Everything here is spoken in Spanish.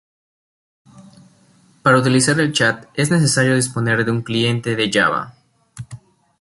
Para utilizar el chat es necesario disponer de un cliente de Java.